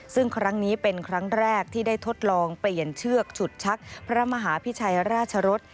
ซึ่งครั้งนี้เป็นครั้งแรกที่ได้ทดลองเปลี่ยนเชือกฉุดชักพระมหาพิชัยราชรส